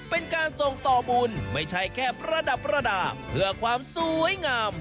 เป็นการส่งต่อบุญไม่ใช่แค่ประดับประดาษเพื่อความสวยงาม